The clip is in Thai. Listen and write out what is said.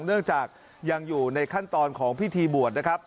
เนื่องจากยังอยู่ในขั้นตอนของพิธีบวชนะครับ